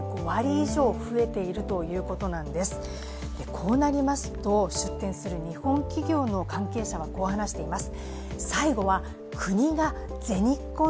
こうなりますと出展する日本企業の関係者はこう話しています。